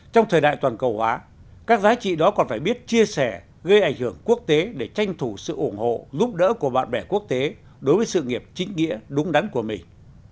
trong thời đại toàn cầu hóa các giá trị đó còn phải biết chia sẻ gây ảnh hưởng quốc tế để tranh thủ sự ủng hộ giúp đỡ của bạn bè quốc tế đối với sự nghiệp chính nghĩa đúng đắn của mình